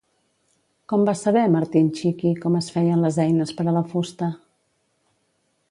Com va saber Martin Txiki com es feien les eines per a la fusta?